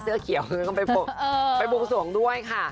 เสื้อเขียวก็ไปบวงสวงด้วยค่ะ